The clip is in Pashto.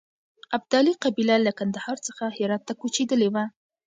ابدالي قبیله له کندهار څخه هرات ته کوچېدلې وه.